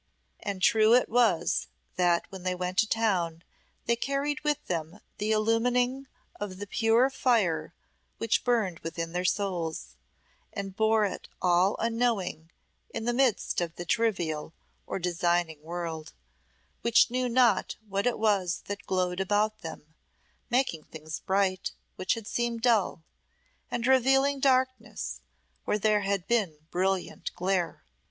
And true it was that when they went to town they carried with them the illumining of the pure fire which burned within their souls, and bore it all unknowing in the midst of the trivial or designing world, which knew not what it was that glowed about them, making things bright which had seemed dull, and revealing darkness where there had been brilliant glare.